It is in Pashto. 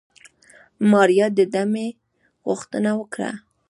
ماريا د دمې غوښتنه وکړه.